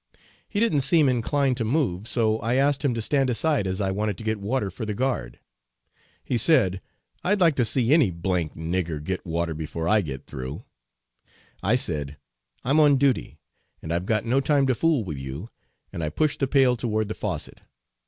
He didn't seem inclined to move, so I asked him to stand aside as I wanted to get water for the guard. He said: 'I'd like to see any d d nigger get water before I get through.' I said: 'I'm on duty, and I've got no time to fool with you,' and I pushed the pail toward the faucet.